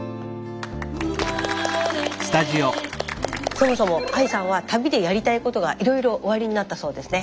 そもそもＡＩさんは旅でやりたいことがいろいろおありになったそうですね。